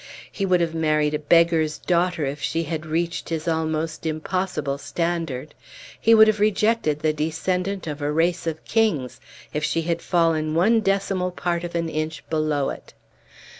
He would have married a beggar's daughter if she had reached his almost impossible standard; he would have rejected the descendant of a race of kings if she had fallen one decimal part of an inch below it.